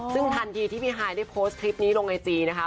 ซึ่งทันทีที่พี่ฮายได้โพสต์คลิปนี้ลงไอจีนะคะ